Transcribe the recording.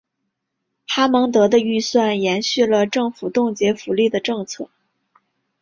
哈蒙德的预算延续了政府冻结福利的政策。